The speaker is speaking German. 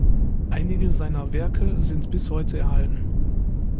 Einige seiner Werke sind bis heute erhalten.